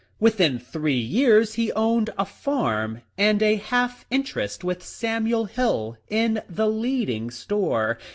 Within three years he owned a farm, and a half interest with Samuel Hill in the leading store.